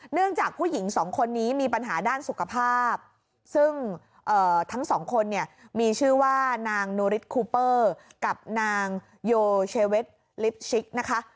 จากผู้หญิงสองคนนี้มีปัญหาด้านสุขภาพซึ่งทั้งสองคนเนี่ยมีชื่อว่านางนูริสคูเปอร์กับนางโยเชเวทลิปชิกนะคะ